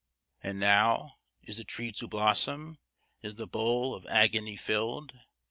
And now, is the tree to blossom? Is the bowl of agony filled?